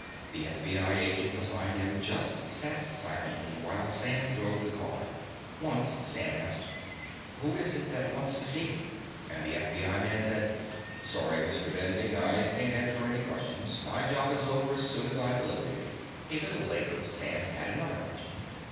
The FBI agent beside him just sat silently while Sam drove the car. Once, Sam asked: "Who is it that wants to see me?" And the FBI man said: "Sorry, Mr. Bending; I can't answer any questions. My job is over as soon as I deliver you." A little later, Sam had another question.